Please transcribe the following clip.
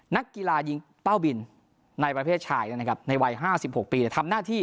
นักกีฬายิงเป้าบินในประเภทชายนะครับในวัย๕๖ปีทำหน้าที่